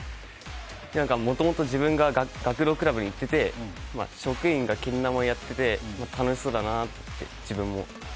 もともと自分が学童クラブに行ってて職員がけん玉をやってて楽しそうだなって